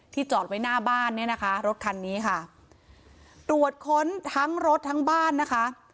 จอดไว้หน้าบ้านเนี่ยนะคะรถคันนี้ค่ะตรวจค้นทั้งรถทั้งบ้านนะคะ